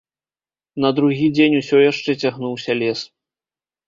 На другі дзень усё яшчэ цягнуўся лес.